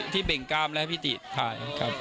เบ่งกล้ามและพี่ติถ่ายครับ